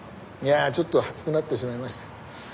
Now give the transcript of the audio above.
いやあちょっと熱くなってしまいました。